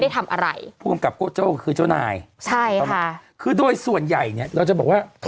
ทาหลุนแล้วหวดร้าย